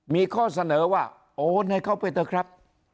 มีข้อเสนอว่าโอนให้เขาไปเถอะครับ